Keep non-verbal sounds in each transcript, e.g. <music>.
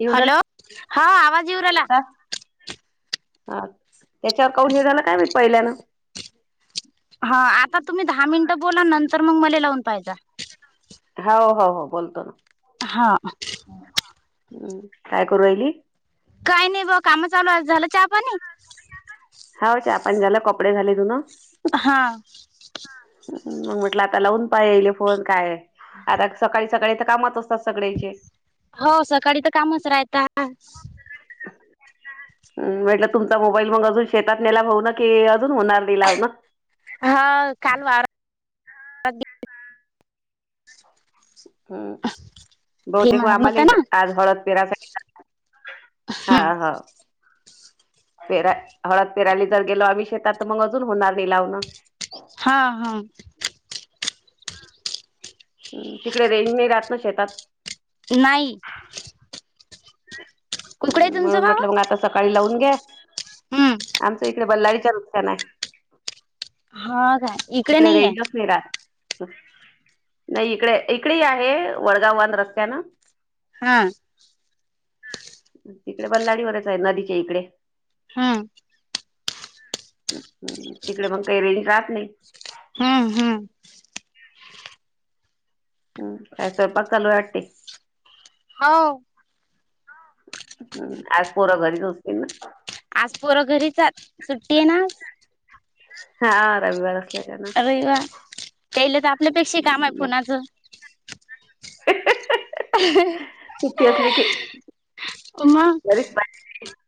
युनरल hello हा आवाज येऊरला. हा त्याच्यावर काून हे झालं काय मी पहिल्यान. हा आता तुम्ही दहा मिनिटं बोला नंतर मग मला लावून पाहिज. हो हो हो बोलतो ना. हा. काय करून राहिली? काही नाही बघ काम चालू आहे झालं चहापाणी. हा चहा पाच झाला कपडे झाले तुन. हा. हम्म मग म्हटलं आता लावून पा येले फोन काय आता सकाळीच सकाळी तर कामात असतात सगळे्याचे. हो सकाळी तर कामच राहिता. म्हटलं तुमचा मोबाईल मग अजून शेतात नेला भाऊ ना कि अजून होणार दिलाव ना. हा काल वार. <unintelligible> हम्म बहुतेक आम्हाला ना आज हळद पेराय. <unintelligible> हा ह. फेरा हळद पेराली जर गेलो आम्ही शेतात तर मग अजून होणार नाही लावणं. हा हम्म. हम्म तिकडे रेंज नाही राहत ना शेतात. नाही. ह् कुकडे आहे तुमचं म्हणून बाबा म्हटलं मग आता सकाळी लावून घ्या हम्म आमचं इकडे बल्लारीच नुकसान आहे. हा. तिकडे रेंज नसते. <unintelligible> नाही इकडे इकडे आहे वडगाववान रस्त्या ना. हा. तिकडे बल्लाडीवरच आहे नदीच्या इकडे. हमम. तिकडे मग काही रेली जहात नाही. हम हम हम्म काय स्वयंपाक चालू आहे वाटते. होव. हम् आज पोर घरीच असतील ना. आज पोर घरीच आहेत सुट्टी आहे ना. हा रविवार अस अरवि वा त्याल तर आपल्यापेक्षा काम आहे फोनाचं. सुट्टी असली की मग बरीच <unintelligible>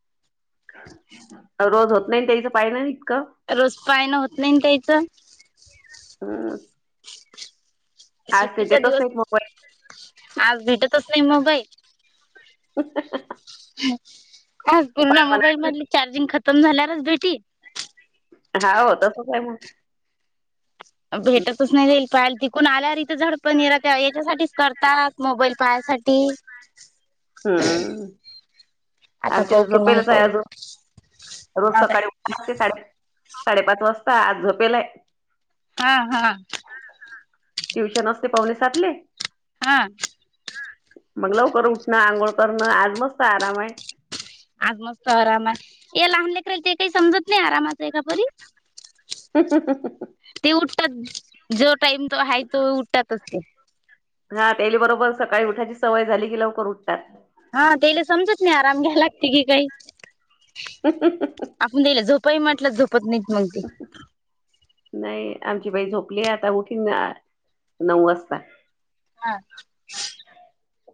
दरोज होत नाही त्याचं पाय नाही इतकं. रोज पायन होत नाही ना त्यायचं हम् सुट्टकीचा देतच दिवस नाहीत मोबाईल. आज भेटतच नाही मोबाईल. <unintelligible> आज पुर्ण मोबाईल मधले चार्जिंग खतम झाल्यावरच भेटी. हा हो तसंच काय मग. भेटतच नाही राईल पाल ती. कोण आल्यार इथं झड पण रा याच्यासाठीच करतात मोबाईल पाहासाठी. हम्म आता आम पाहू तिथ की मग झपेलच आहे पाहू अजून रोज हा काय सकाळी ते साडे साडेपाच वाजता आज झपेलाय. हा हा. ट्यूचन असते पावुणे सातले. हा. मग लवकर उठना आंघोळ करना आज मस्त आराम आहे. आज मस्त आराम आहे हे लहान लेकराला ते काही समजत नाही आरामाचं आहे का परी. <unintelligible> ते उठतात जो टाईम तो आहे तो उठतातच ते. हा त्याली बरोबर सकाळी उठायची सवय झाली की लवकर उठतात. हा तेला समजत नाही आराम घ्यायला लागते की काही. <unintelligible> आपण दिला झोपाही म्हटलं झोपत नाहीत मग ते. नाही आमची बाई झोपली आहे आता उठिना नऊ वाजता. हा.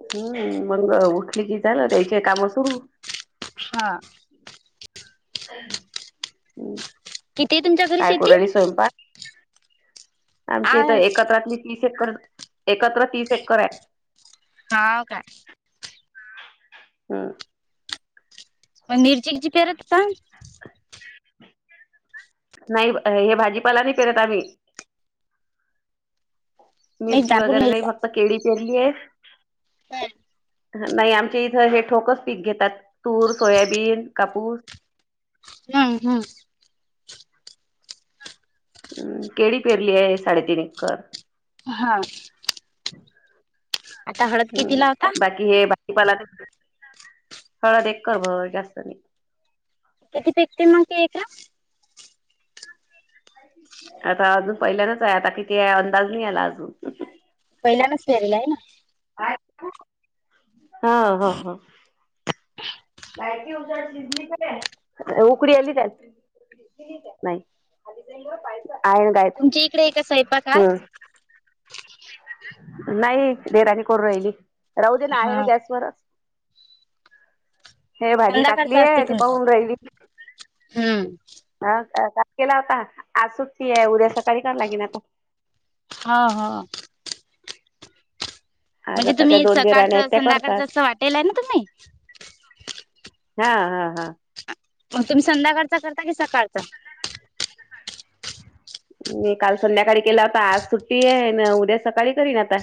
हम्म मग उठली की झालं त्याचे काम सुरू. हा. हम्म. किती तुमच्या घरी शेती? आमच्या इथं आज एकत्रातली तीस एक्कर एकत्र तीस एकर आहे. हाव काय? हम्म. मपण मिरचीची पेरत काय? नाही हे भाजीपाला नाही करत आम्ही. मी मिरची दापूर वगैरे नाही फक्त केळी पेरली आहे. काय? नाही आमचे इथं हे ठोकस पीक घेतात तूर सोयाबीन कापूस. हम्म हम्म. हम्म केळी पेरली आहे साडेतीन एकर. हा. आता हळद किती हम्म लावता बाकी हे बाकी पाला <inaudible> हळद एक कर भर जास्त नाही. किती पिकते मगी ए येत्या? आता अजून पहिल्यांदच आहे, आता किती अंदाज नाही आला अजून. पहिनच फेरला आहे ना. हा हा हा. लायट उजड शिजली खर, उकडी आली काय? नाही, आहे गायत्री तुमच्या इकडे आहे का सैपाक आज? हम्म. नाही रे राणी करून राहिली राहू दे ना आहे ना हा गॅसवरच. हे भाजी संध्याकाळचा असते टाकलीय ती तुमचा पाहून राहिली. हम्म ह का केला होता आज सुट्टी आहे, उद्या सकाळी करावं लागेन आता. हा हा. आज म्हणजे आता त्या तुम्ही दोन देराण्या सकाळचं आहेत त्या संध्याकाळचं करतात असं वाटेल आहे ना तुम्ही. हा हा हा. मग तुम्ही संध्याकाळचा करता की सकाळचा? मी काल संध्याकाळी केला होता आज सुट्टी आहे ना उद्या सकाळी करीन आता.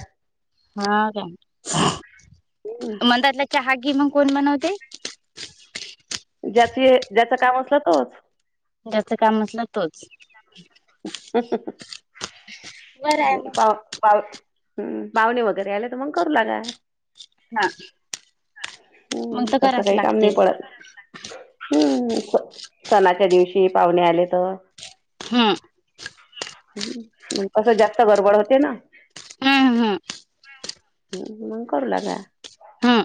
हा का मंदातला चहागी मग कोण बनवते? ज्याच ज्याच काम असलं तोच. ज्याच काम नसलं तोच. बरं आहे मग <unintelligible> हम्म पाहुणे वगैरे आले तर मग करू लागा. हा मग हम्म तर तसं कराच काही काम लागते नाही पडत. हम्म असं सणाच्या दिवशी पाहुणे आले तर हां हम्म म कसं जास्त गडबड होते ना. हम्म हम्म ह म, कररू लागा. हम्म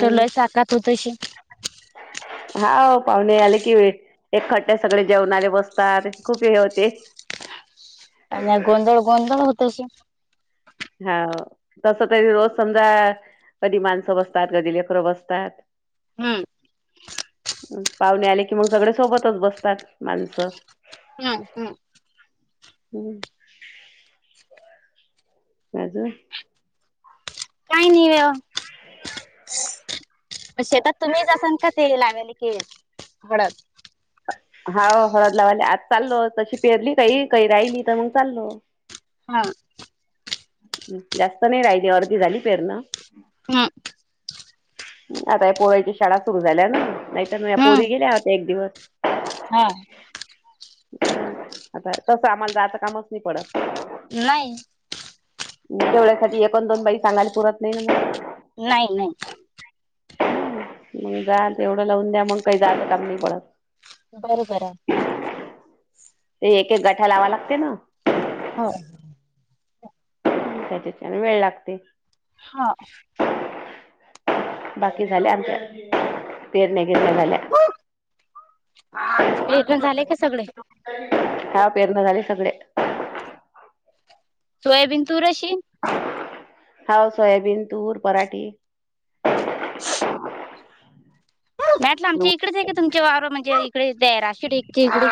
त्यो लई साकात होतशी. हाव पाहुणे आले की इखट्टे सगळे जेवणाले बसतात, खूप हे होते. आणि हा गोंधळ गोंधळ होतशी. हाव तसं तरी रोज समजा कधी माणसं बसतात, कधी लेकरं बसतात. हम्म पाहुणे आले कि मग सगळे, सोबतच बसतात माणसं. हा, हम. हम्म अजून? काही, नाही व. शेतात तुम्हीचसाल का तेल, आमेल कि घडत. हाव हळद लावाले आज चाललो तशी पेरली काही काही राहिली तर मग चाललो. हा. जास्त नाही राहिली अर्धी झाली पेरन. हम्म. आता या पोऱ्याची शाळा सुरु झाल्या ना, नाहीतर या हम्म पोरी गेल्या होत्या एक दिवस. हा. आता तसं आम्हाला जाचं कामच नाही पडत. नाही. मग तेवढ्यासाठी एक आणि दोन बाई सांगायला पुरत नाही ना मग. नाही नाही. मग जा ते एवढं लावून द्या, मग काही झाात काम नाही पडत. बरोबर, आहे. ते एक एक गठ्ठा लावाय लागते ना. होय. त्याच्याच्यान वेळ लागते. हा. बाकी झाल्या आमच्या पेरण्या बिरण्या झाल्या. हो <unintelligible> झाले का सगळे? हा पेरणं झाले सगळे. सोयाबीन तूर अशीन. हाव सोयाबीन, तूर, पराठी. <unintelligible> आमच्या इकडेच आहे का तुमचे वावर म्हणजे इकडे राशी टेकची इकडे?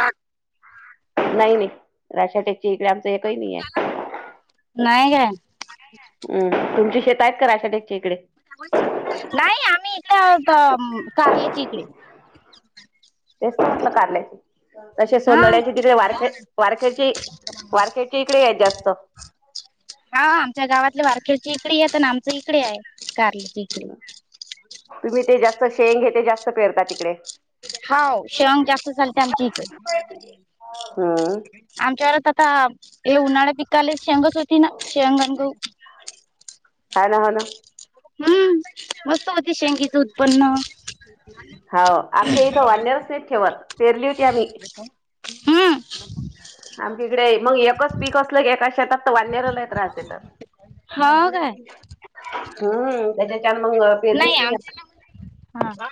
नाही नाही राशा टेकची इकडे आमचं एकही नाही आहे. नाहीय काय. हम्म तुमची शेत आहेत का राशा टेकच्या इकडे? नाही आम्ही इथं आ कारलेची इकडे. तेच आपलं कारल्याचे तसे हा <unintelligible> तिकडे वारखेड वारखेडची वारखेड ते इकडे आहेत जास्त. हा आमच्या गावातले वारखेडची इकडे आहेत आणि आमचे इकडे आहे कारलीची इकडे. तुम्ही ते जास्त शेंग, घे ते जास्त पेरता तिकडे. हाव शेवंग जास्त चालते आमच्या इकडे हा. आमच्या घरात आता हे उन्हाळ्यात पिकाले शेंगच होती ना शेंग आणि गहू. हा ना, ह ना. हम्म मस्त होती शेंगीच उत्पन्न. होा आमच्या इथं वाांण्यारच, नाहीच ठेवत पेरली होती आम्ही. हा आमच्या इकडे मग एकच पीक असलं की एका शेतात तर वांनर लई त्रास देतात. हाव काय? हम्म त्याच्या न मग नाही पेरलीच <unintelligible> आमच्या हा हा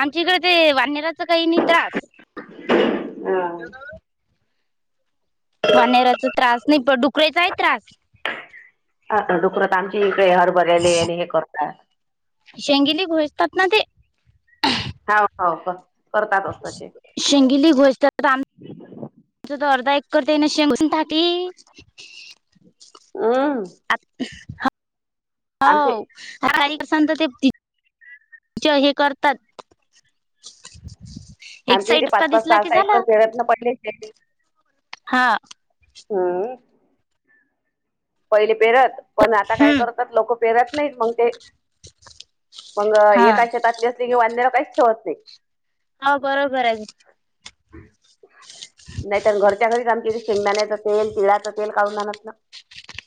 आमच्या इकडे ते वानेराच काही नाही त्रास. ह. वनेराचा त्रास नाही प डुकरायचा आहे त्रास. ह <unintelligible> दुखत आमची इकडे हरबरले आणि हे करतात. शेंगिली घोजतात ना ते! हो हो हो करतातच तसे. शेंगिली घोज आम तर अर्धा एक करता ये ना शेंगून टाकी <unintelligible> हम्म. आ, हो. आमचे ारी स तर तेच हे करतात <unintelligible> एक आमचे इथे साईड पाच पाच दिसला सहा की सहा एकर, झालं प्रेरत्न पडले. हा. हम्. पहिले पेरत. पण आता काय हम्म करतात लोक पेरत नाहीत मग ते मग हा एका शेतातले ध्याला काहीच ठेवत नाही. हा बरोबर आहेग. नाहीत घरच्या घरीच आमच्या इथे शेंगदाण्याच तेल तिळाच तेल काऊून जात ना.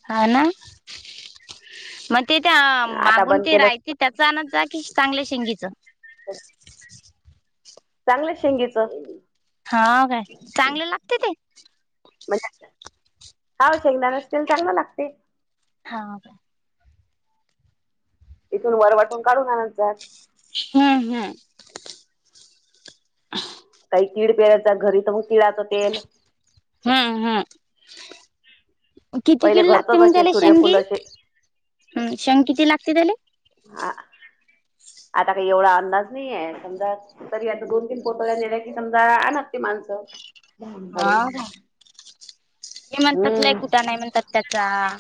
हा ना, मग ते त्या आता मागून बंद ते केलं रायते. त्याचा आनंद आहे की, चांगल्या शेंगीच. हो. चांगल्या शेंगीचं. हा काय चांगले लागते ते? हा शेकदा न असतील,, चांगला लागते. हा. इथून वर, वाटून काढून आणत जात. हम् हम्. काही कीड पेरायच घरी तर मग तिळाचं तेल. हम्म हम्म. किती पहिले किल लागते, घरचंच मग असे त्याला सूर्यफुल शेंगंगी असे हम्म शेंग किती लागते त्याला. हा आता काही एवढा, अंदाज नाहीये समजा. तरी आता दोन तीन पतळ्या नेल्या कि समजा आणत ते माणसं काढून <unintelligible> हे म्हणतात लय हम्म कुठ नाही, म्हणतात त्याचा.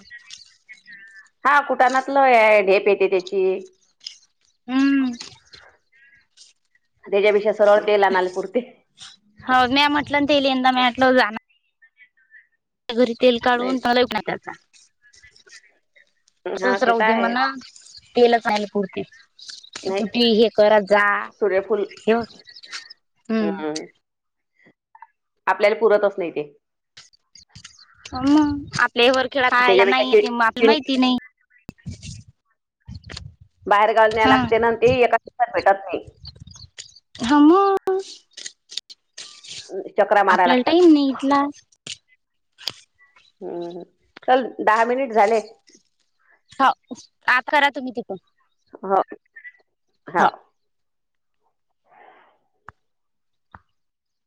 हा कुटानातलं आहे ढेप येते त्याची. हम्म. त्याच्यापेक्षा सरळ ते ला आण नाले पुुरती. हो मॅ अटलंंत तेली यंद म अटलं जा <unintelligible> घरी तेल नाही काढून तला, एक ना हा त्याचाच ते राह तर दे मणा. आहेच तेलचहिला पुरती. नाही कुठे हे करत जा, सूर्यफूल हेव हम्म. आपल्याला पुरतच नाही ते. मग आपल्या वर खेळा त्याच्यापेक्षा नाही कि तेग आपला किं माहिती नाही <unintelligible> <inaudible> बाहेर गावला न्याय हा लागते न, ते एकाात भेटत नाही. ह म. चक्र <unintelligible> आपल्याला टाईम नाही इथला. हम्म चल, दहा मिनिट झाले. हाव आ करा तुम्ही तिथण हो हौव.